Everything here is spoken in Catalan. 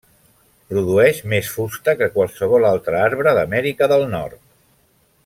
Produeix més fusta que qualsevol altre arbre d'Amèrica del Nord.